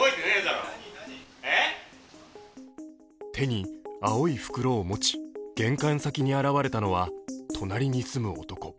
手に青い袋を持ち玄関先に現れたのは隣に住む男。